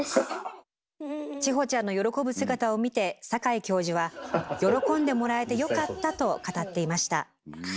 千穂ちゃんの喜ぶ姿を見て酒井教授は「喜んでもらえてよかった」と語っていました。